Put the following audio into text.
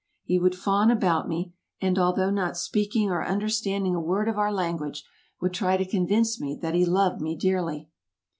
He would fawn about me, and although not speaking or understanding a word of our language, would try to convince me that he loved me dearly.